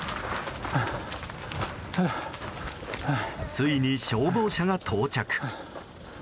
ついに消防車が到着。